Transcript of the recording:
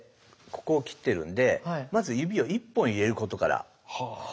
ここを切ってるんでまず指を１本入れることから。